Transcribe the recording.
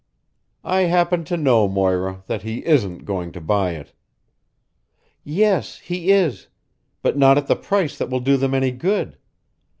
"I happen to know, Moira, that he isn't going to buy it." "Yes, he is but not at a price that will do them any good.